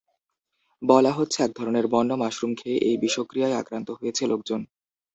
বলা হচ্ছে, একধরনের বন্য মাশরুম খেয়ে এই বিষক্রিয়ায় আক্রান্ত হয়েছে লোকজন।